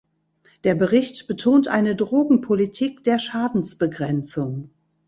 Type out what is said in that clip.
Der Bericht betont eine Drogenpolitik der Schadensbegrenzung.